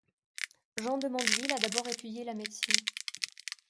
Jean de Mandeville a d'abord étudié la médecine.